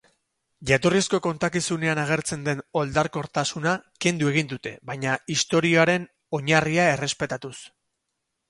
Jatorrizko kontakizunean agertzen den oldarkortasuna kendu egin dute baina istorioaren oinarria errespetatuz.